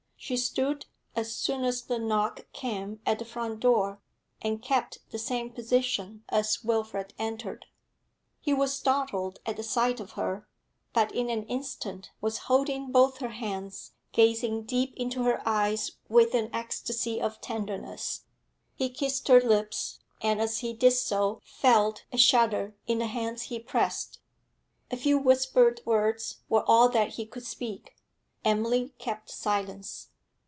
She stood, as soon as the knock came at the front door, and kept the same position as Wilfrid entered. He was startled at the sight of her, but in an instant was holding both her hands, gazing deep into her eyes with an ecstasy of tenderness. He kissed her lips, and, as he did so, felt a shudder in the hands he pressed. A few whispered words were all that he could speak; Emily kept silence.